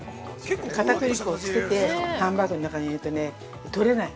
かたくり粉をつけて、ハンバーグの中に入れるとね、取れない。